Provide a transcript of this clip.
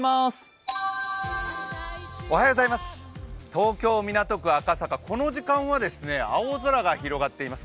東京・港区赤坂、この時間は青空が広がっています。